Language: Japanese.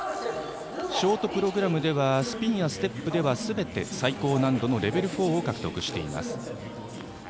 ショートプログラムではスピンやステップではすべて最高難度のレベル４を獲得しています。